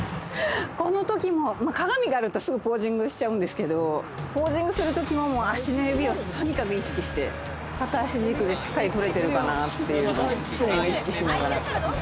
このときも、鏡があるとすぐポージングしちゃうんですけれどポージングするときも足の指をとにかく意識して、片足軸でしっかり取れてるかなっていうのを常に意識しながら。